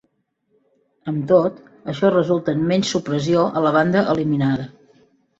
Amb tot, això resulta en menys supressió a la banda eliminada.